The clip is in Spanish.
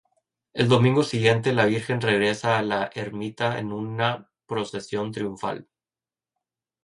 El domingo siguiente, la Virgen regresa a la ermita en una procesión triunfal.